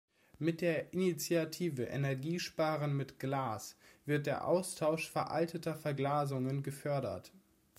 Mit der Initiative „Energiesparen mit Glas“ wird der Austausch veralteter Verglasungen gefördert.